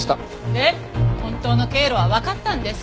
で本当の経路はわかったんですか？